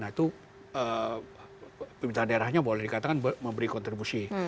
nah itu pemerintah daerahnya boleh dikatakan memberi kontribusi